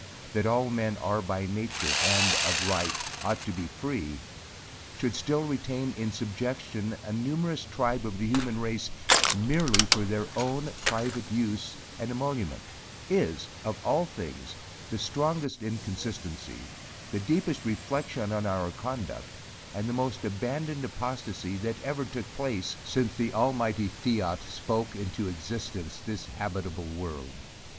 "that all men are by nature and of right ought to be free," should still retain in subjection a numerous tribe of the human race merely for their own private use and emolument, is, of all things the strongest inconsistency, the deepest reflexion on our conduct, and the most abandoned apostasy that ever took place, since the almighty fiat spoke into existence this habitable world.